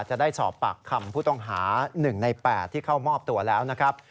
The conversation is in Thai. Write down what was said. จะได้สอบปากคำผู้ต้องหา๑ใน๘ที่เข้ามอบตัวแล้วนะครับ